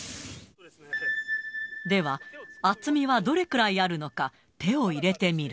では、厚みはどれくらいあるのか、手を入れてみる。